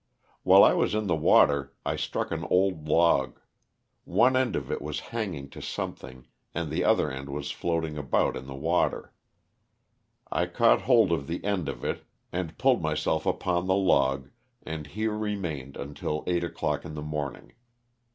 While I was in the water I struck an old log; one end of it was hanging to something and the other end was floating about in the water. I caught hold of the end of it and pulled LOSS OF THE SULTANA. 109 myself upon the log and here remained until eight o'clock in the morning.